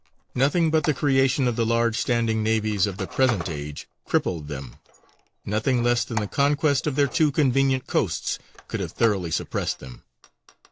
Nothing but the creation of the large standing navies of the present age crippled them; nothing less than the conquest of their too convenient coasts could have thoroughly suppressed them.